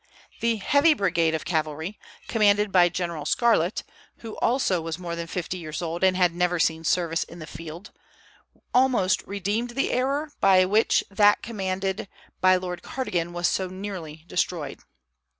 The "Heavy Brigade" of cavalry, commanded by General Scarlett, who also was more than fifty years old and had never seen service in the field, almost redeemed the error by which that commanded by Lord Cardigan was so nearly destroyed.